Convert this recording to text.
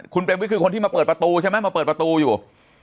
คุณเปรมวิทย์คือคนที่มาเปิดประตูใช่ไหมมาเปิดประตูอยู่